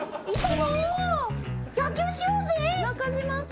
野球しようぜ！